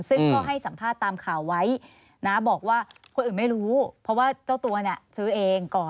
ซึ่งก็ให้สัมภาษณ์ตามข่าวไว้นะบอกว่าคนอื่นไม่รู้เพราะว่าเจ้าตัวเนี่ยซื้อเองก่อน